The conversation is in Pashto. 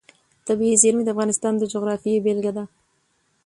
طبیعي زیرمې د افغانستان د جغرافیې بېلګه ده.